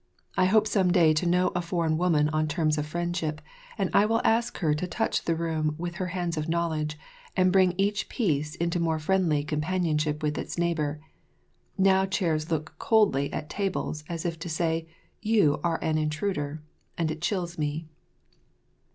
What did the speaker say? I hope some day to know a foreign woman on terms of friendship, and I will ask her to touch the room with her hands of knowledge, and bring each piece into more friendly companionship with its neighbour. Now chairs look coldly at tables, as if to say, "You are an intruder!" And it chills me.